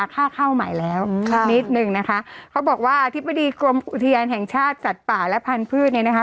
เขาบอกว่าอธิบดีกรมอุทยานแห่งชาติสัตว์ป่าและพันธุ์พืชเนี่ยนะคะ